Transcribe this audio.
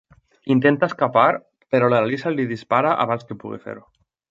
Intenta escapar, però la Lisa li dispara abans que pugui fer-ho.